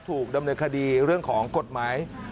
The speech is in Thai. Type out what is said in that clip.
ถูกดำเนินคดีเรื่องของกฎหมาย